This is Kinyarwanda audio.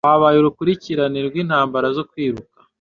habaye urukurikirane rwintambara zo kwiruka